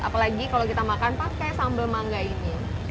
apalagi kalau kita makan pakai sambal mangga ini